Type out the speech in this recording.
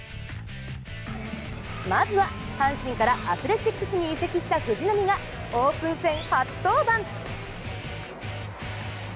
まずは、阪神からアスレチックスに移籍した藤浪がオープン戦初登板。